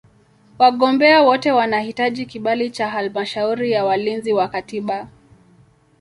Wagombea wote wanahitaji kibali cha Halmashauri ya Walinzi wa Katiba.